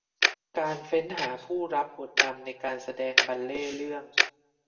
การเฟ้นหาผู้รับบทนำในการแสดงบัลเลต์เรื่อง